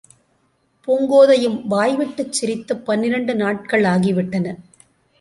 பூங்கோதையும் வாய்விட்டுச் சிரித்துப் பன்னிரண்டு நாட்கள் ஆகிவிட்டன.